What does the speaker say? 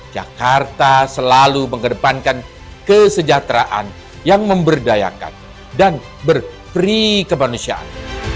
jakarta selalu mengedepankan kesejahteraan yang memberdayakan dan berperi kemanusiaan